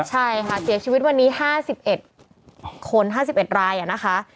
ใช่ค่ะเสียชีวิตวันนี้๕๑คน๕๑รายนะคะ